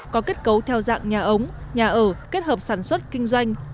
có kết cấu theo dạng nhà ống nhà ở kết hợp sản xuất kinh doanh